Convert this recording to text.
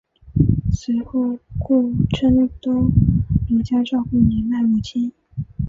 随后顾琛都留家照顾年迈母亲。